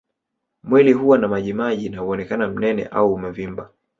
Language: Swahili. Mwili huwa na majimaji na huonekana mnene au amevimba